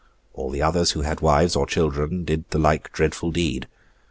All the others who had wives or children, did the like dreadful deed.